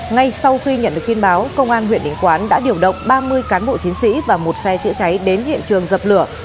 ngay sau khi nhận được tin báo công an huyện định quán đã điều động ba mươi cán bộ chiến sĩ và một xe chữa cháy đến hiện trường dập lửa